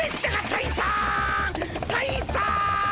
・たいさん！